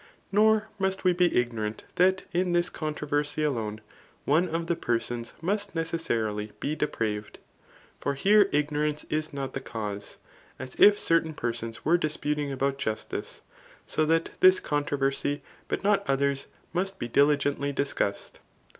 Nor must we be ignorant that in this con» troversy alone, one of the peisons must necessarily be de graved i for here ignorance is not the cause, as if certain persons were disputing about justice ; so that this contro versy but not others must be diligently discussed.